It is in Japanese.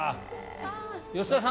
吉田さん